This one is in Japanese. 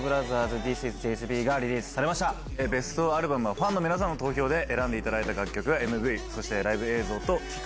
ファンの皆さんの投票で選んでいただいた楽曲やＭＶそしてライブ映像と聴く